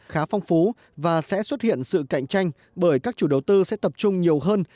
khá phong phú và sẽ xuất hiện sự cạnh tranh bởi các chủ đầu tư sẽ tập trung nhiều hơn